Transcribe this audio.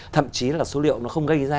thậm chí là số liệu nó không gây ra